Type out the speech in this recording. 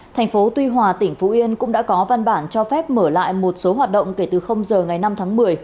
thành phố tuy hòa tỉnh phú yên cũng đã có văn bản cho phép mở lại một số hoạt động kể từ giờ ngày năm tháng một mươi